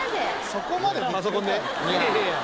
そこまでパソコンで？